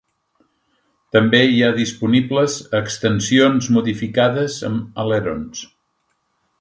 També hi ha disponibles extensions modificades amb alerons.